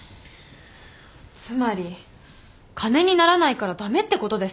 つまり金にならないから駄目ってことですか？